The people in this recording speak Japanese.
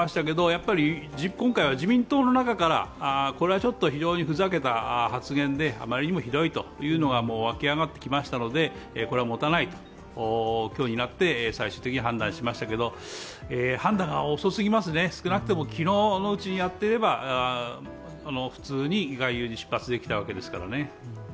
やっぱり今回は自民党の中からこれはちょっと非常にふざけた発言で、あまりにもひどいというのが沸き上がってきましたので、これはもたないと、今日になって最終的に判断しましたけど判断が遅すぎますね少なくとも昨日のうちにやっていれば、普通に外遊に出発できたわけですからね。